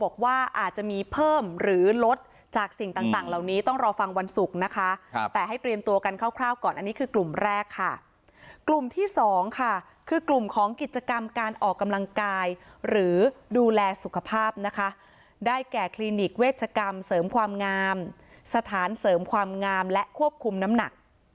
กลุ่มที่๒คือกลุ่มของกิจกรรมการออกกำลังกายหรือดูแลสุขภาพได้แก่คลินิกเวชกรรมเสริมความงามสถานเสริมความงามและควบคุมน้ำหนัก